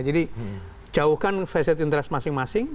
jadi jauhkan facet interest masing masing